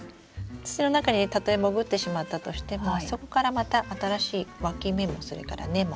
土の中にたとえ潜ってしまったとしてもそこからまた新しいわき芽もそれから根も出てきますので。